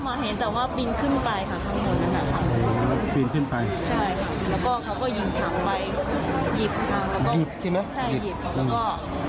แผงกับคนเดียว